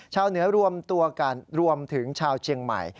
ชาวเหนือรวมตัวกันรวมถึงชาวเชียงใหม่